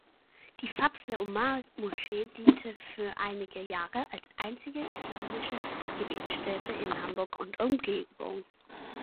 Die Fazle-Omar-Moschee diente für einige Jahre als einzige islamische Gebetsstätte in Hamburg und Umgebung.